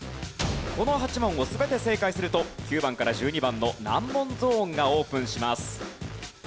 この８問を全て正解すると９番から１２番の難問ゾーンがオープンします。